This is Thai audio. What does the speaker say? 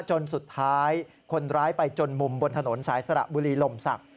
จนสุดท้ายคนร้ายไปจนมุมบนถนนสายสระบุรีลมศักดิ